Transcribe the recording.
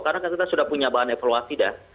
karena kita sudah punya bahan evaluasi dah